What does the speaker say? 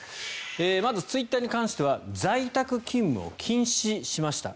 まず、ツイッターに関しては在宅勤務を禁止しました。